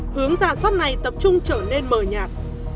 hướng giả soát này tập trung trở nên mờ nhạt